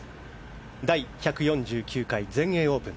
第１４９回全英オープン。